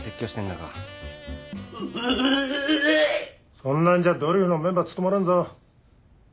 そんなんじゃドリフのメンバー務まらんぞ。